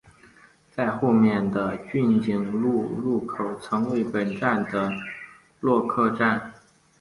而后面的骏景路路口曾为本站的落客站。